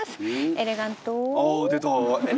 エレガン唐。